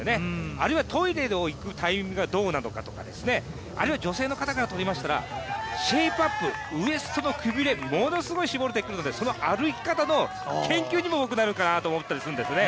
あるいはトイレに行くタイミングがどうなのかとかあるいは女性の方からとりますとシェイプアップウエストのくびれ、ものすごい絞れてくるので、その歩き方の研究にもなるかなと思うんですよね。